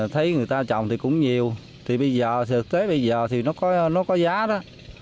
thấy người ta trồng thì cũng nhiều thì bây giờ tới bây giờ thì nó có giá đó